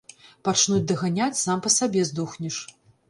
Пачнуць даганяць, сам па сабе здохнеш.